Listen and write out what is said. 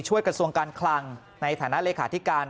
กระทรวงการคลังในฐานะเลขาธิการ